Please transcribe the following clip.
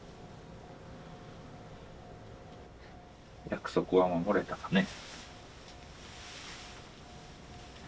約束は守れたかね。